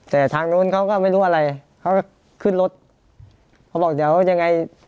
แต่ทางนู้นเขาก็ไม่รู้อะไรเขาก็ขึ้นรถเขาบอกเดี๋ยวยังไง